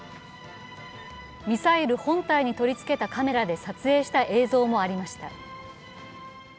ミサイル本体に取り付けたカメラで撮影した映像もありました。